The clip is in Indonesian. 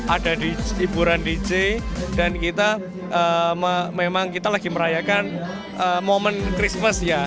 ada di hiburan dj dan kita memang kita lagi merayakan momen christmas ya